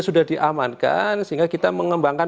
sudah diamankan sehingga kita mengembangkan